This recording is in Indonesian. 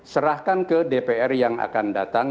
serahkan ke dpr yang akan datang